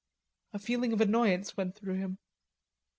A feeling of annoyance went through him.